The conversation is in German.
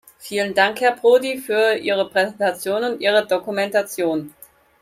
Vielen Dank, Herr Prodi, für Ihre Präsentation und Ihre Dokumentation.